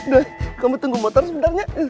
doi kamu tunggu motor sebentar ya